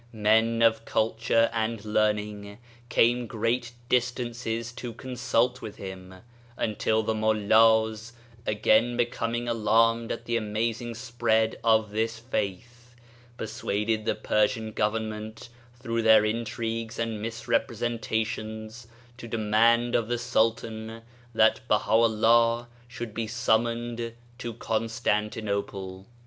Men of culture and learning came great distances to consult with him, until the Mullahs, again be coming alarmed at the amazing spread of this faith, persuaded the Persian Government through their intrigues and misrepresentations to demand of the Sultan that Baha'u'llah should be sum moned to Constantinople.